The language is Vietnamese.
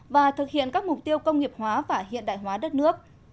và thực hiện các mục tiêu công nghiệp hóa và hiện đại hóa đất nước